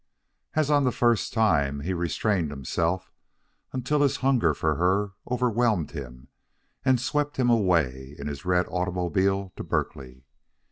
As on the first time, he restrained himself until his hunger for her overwhelmed him and swept him away in his red automobile to Berkeley.